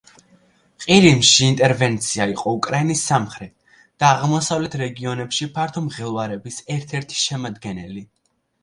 ყირიმში ინტერვენცია იყო უკრაინის სამხრეთ და აღმოსავლეთ რეგიონებში ფართო მღელვარების ერთ-ერთი შემადგენელი.